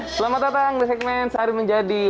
selamat datang di segmen sehari menjadi